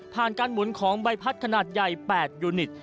การหมุนของใบพัดขนาดใหญ่๘ยูนิต